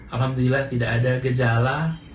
alhamdulillah tidak ada gejala